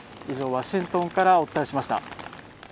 以上、ワシントンからお伝えしました。